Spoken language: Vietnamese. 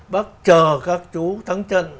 bác chờ các chú thắng trận